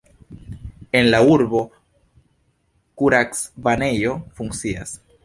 En la urbo kuracbanejo funkcias.